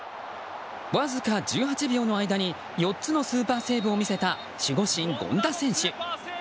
わずか１８秒の間に４つのスーパーセーブを見せた守護神、権田選手。